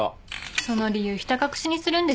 その理由ひた隠しにするんですよね。